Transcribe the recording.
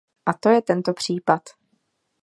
A to je tento případ.